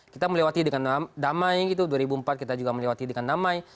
kita melewati dengan damai gitu dua ribu empat kita juga melewati dengan damai